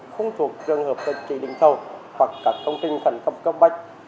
không thuộc trường hợp chỉ định thầu hoặc các công trình thần khắp cấp bách